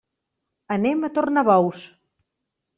Anem a Tornabous.